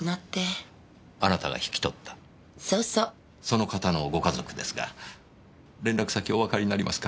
その方のご家族ですが連絡先おわかりになりますか？